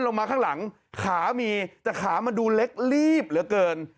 ลงมาข้างหลังขามีแต่ขามันดูเล็กลีบเหลือเกิน